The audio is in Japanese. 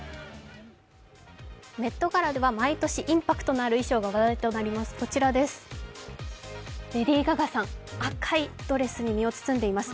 メットガラでは毎年インパクトのある衣装が話題になります。